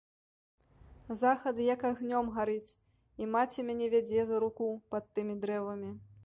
Захад як агнём гарыць, і маці мяне вядзе за руку пад тымі дрэвамі.